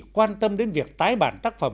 quan tâm đến việc tái bản tác phẩm